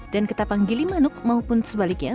dan ketapang gilim manuk maupun sebaliknya